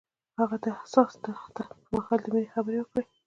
هغه د حساس دښته پر مهال د مینې خبرې وکړې.